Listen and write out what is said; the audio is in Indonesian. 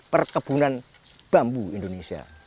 perkebunan bambu indonesia